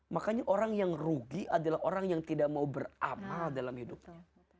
makanya orang yang rugi adalah orang yang tidak mau beramal dalam hidupnya